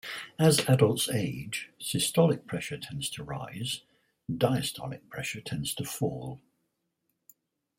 As adults age, systolic pressure tends to rise and diastolic pressure tends to fall.